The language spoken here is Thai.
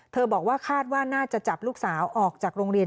บอกว่าคาดว่าน่าจะจับลูกสาวออกจากโรงเรียน